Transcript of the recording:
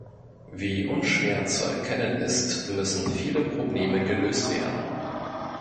Wie unschwer zu erkennen ist, müssen viele Probleme gelöst werden.